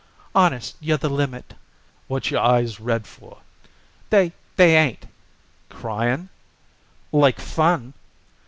"Honest, you're the limit." "What's your eyes red for?" "They they ain't." "Cryin'?" "Like fun."